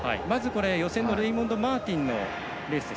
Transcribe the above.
予選のレイモンド・マーティンのレースです。